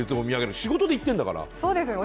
仕事で行ってんだから。